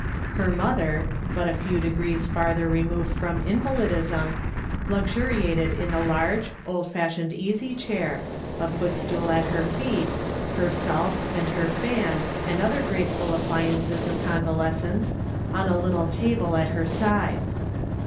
Her mother, but a few degrees farther removed from invalidism, luxuriated in the large, old fashioned easy chair, a footstool at her feet, her salts, and her fan, and other graceful appliances of convalescence on a little table at her side.